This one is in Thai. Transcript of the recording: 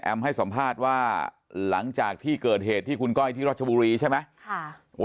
ให้สัมภาษณ์ว่าหลังจากที่เกิดเหตุที่คุณก้อยที่รัชบุรีใช่ไหม